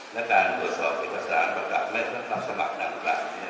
และการตรวจสอบเอกสารประกาศและรับสมัครกลางกลางเนี่ย